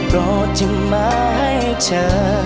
รอจะมาให้เจอ